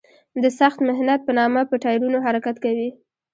د سخت محنت په نامه په ټایرونو حرکت کوي.